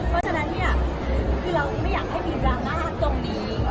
เพราะฉะนั้นเนี่ยคือเราไม่อยากให้มีดราม่าตรงนี้